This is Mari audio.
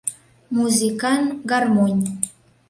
Музикан — гармонь.